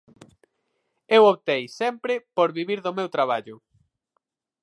Eu optei sempre por vivir do meu traballo.